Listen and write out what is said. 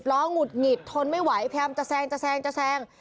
๑๐ล้องหุดหงิดทนไม่ไหวพยายามจะแซง